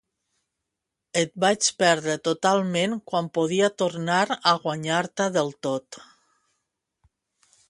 Et vaig perdre totalment quan podia tornar a guanyar-te del tot.